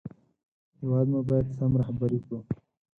هېواد مو باید سم رهبري کړو